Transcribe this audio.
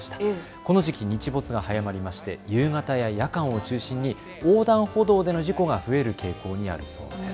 この時期、日没が早まりまして夕方、夜間を中心に横断歩道での事故が増える傾向にあるそうです。